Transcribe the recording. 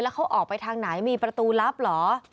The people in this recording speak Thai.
เขาออกไปทางไหนมีประตูลับเหรอ